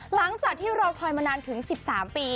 หลังจากที่รอคอยมานานถึง๑๓ปี